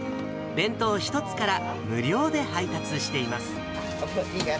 弁当１つから無料で配達しています。